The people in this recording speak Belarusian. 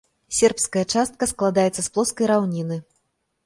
Сербская частка складаецца з плоскай раўніны.